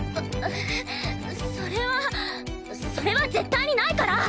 それはそれは絶対にないから！